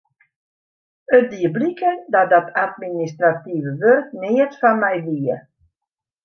It die bliken dat dat administrative wurk neat foar my wie.